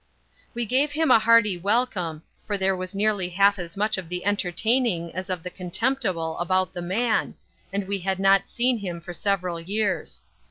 We gave him a hearty welcome; for there was nearly half as much of the entertaining as of the contemptible about the man, and we had not seen him for several years.